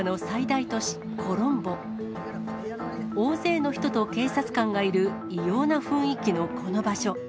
大勢の人と警察官がいる異様な雰囲気のこの場所。